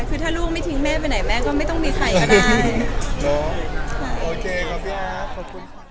คือถ้าลูกไม่ทิ้งแม่ไปไหนแม่ก็ไม่ต้องมีใครก็ได้